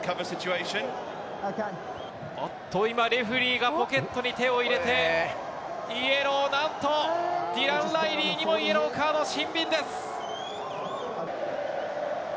おっと今、レフェリーがポケットに手を入れて、イエロー、なんとディラン・ライリーにもイエローカード、シンビンです。